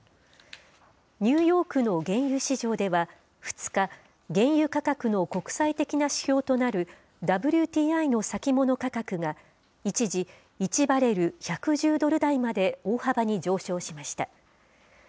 ニューヨークの原油市場では、２日、原油価格の国際的な指標となるＷＴＩの先物価格が、一時、１バレル１１０ドル台まで大幅に上昇しました。